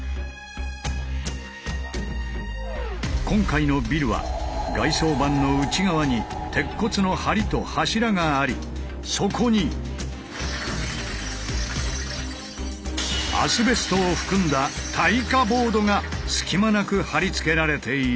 今回のビルは外装板の内側に鉄骨の梁と柱がありそこにアスベストを含んだ耐火ボードが隙間なく貼り付けられている。